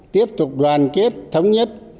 tiếp tục đoàn kết thống nhất